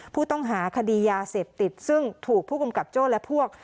ผู้ต้องหาคดียาเสพติดซึ่งถูกผู้กำกับโจ้และพวก